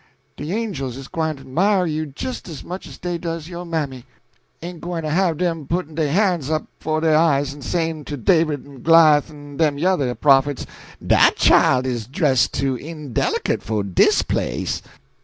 De angels is gwine to 'mire you jist as much as dey does yo' mammy. Ain't gwine to have 'em putt'n' dey han's up 'fo' dey eyes en sayin' to David en Goliah en dem yuther prophets, 'Dat chile is dress' too indelicate fo' dis place.'"